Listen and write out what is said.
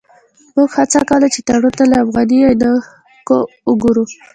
موږ هڅه کوله چې تړون ته له افغاني عینکو وګورو.